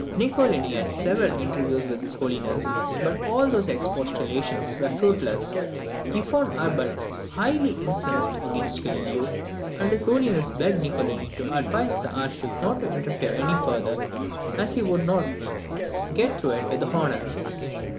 Niccolini had several interviews with his Holiness; but all his expostulations were fruitless. He found Urban highly incensed against Galileo; and his Holiness begged Niccolini to advise the Archduke not to interfere any farther, as he would not "get through it with honour."